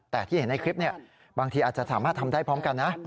แต่ที่เห็นในคลิปบางทีอาจจะสามารถทำได้พร้อมกันนะ